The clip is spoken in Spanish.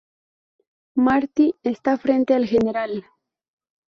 Marty está frente al General.